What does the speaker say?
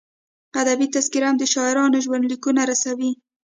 ادبي تذکرې هم د شاعرانو ژوندلیکونه رسوي.